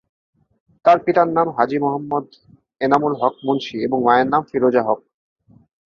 তার পিতার নাম হাজী মোহাম্মদ এনামুল হক মুন্সী এবং মায়ের নাম ফিরোজা হক।